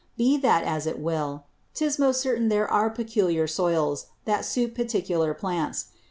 Be that as it will, 'tis most certain there are peculiar Soils that suit particular Plants.